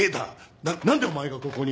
な何でお前がここに！